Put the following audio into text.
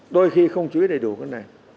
đôi khi không chú ý đầy đủ cái này